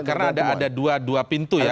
karena ada dua pintu ya